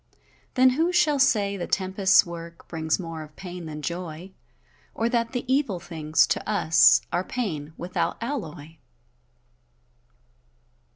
Then who shall say the tempest's work Brings more of pain than joy; Or that the evil things, to us Are pain, without alloy?